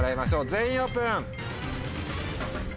全員オープン！